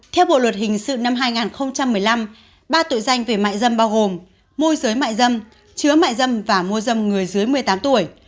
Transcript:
theo bộ luật hình sự năm hai nghìn một mươi năm ba tội danh về mại dâm bao gồm môi giới mại dâm chứa mại dâm và mua dâm người dưới một mươi tám tuổi